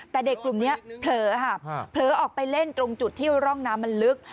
แต่เด็กกลุ่มนี้เผลอค่ะเผลอออกไปเล่นตรงจุดที่ร่องน้ำมันลึก